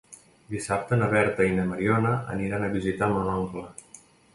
Dissabte na Berta i na Mariona aniran a visitar mon oncle.